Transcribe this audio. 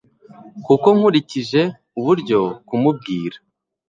kuko nkurikije uburyo kumubwira